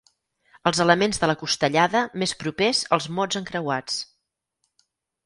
Els elements de la costellada més propers als mots encreuats.